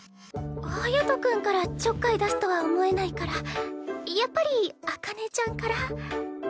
隼君からちょっかい出すとは思えないからやっぱり紅葉ちゃんから？